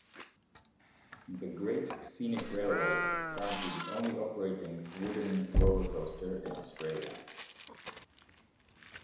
The Great Scenic Railway is currently the only operating wooden roller coaster in Australia.